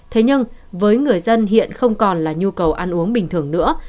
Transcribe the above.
thế nhưng với người dân hiện không còn là nhu cầu ăn uống bình thường nữa